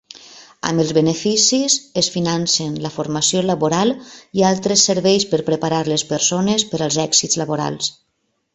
Amb els beneficis es financen la formació laboral i altres serveis per preparar les persones per als èxits laborals.